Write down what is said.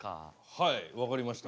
はい分かりました。